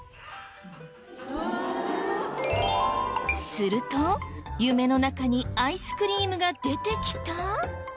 すると夢の中にアイスクリームが出てきた？